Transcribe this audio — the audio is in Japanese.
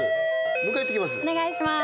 迎えいってきます